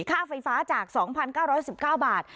ค่าไฟฟ้าจาก๒๙๑๙บาท